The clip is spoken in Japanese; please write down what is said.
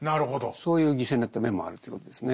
そういう犠牲になった面もあるということですね。